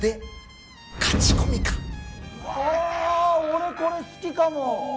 俺これ好きかも。